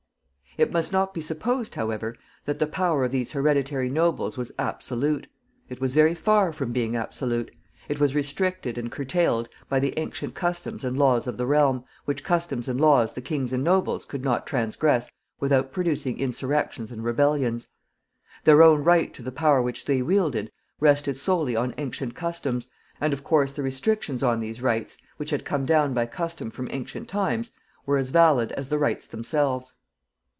It must not be supposed, however, that the power of these hereditary nobles was absolute. It was very far from being absolute. It was restricted and curtailed by the ancient customs and laws of the realm, which customs and laws the kings and nobles could not transgress without producing insurrections and rebellions. Their own right to the power which they wielded rested solely on ancient customs, and, of course, the restrictions on these rights, which had come down by custom from ancient times, were as valid as the rights themselves.